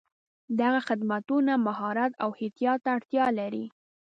دغه خدمتونه مهارت او احتیاط ته اړتیا لري.